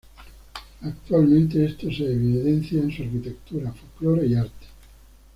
Actualmente, esto se evidencia en su arquitectura, folclore y arte.